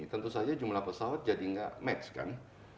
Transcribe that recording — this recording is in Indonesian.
tentu saja jumlah pesawat jadi nggak match kan